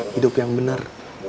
hidup yang benar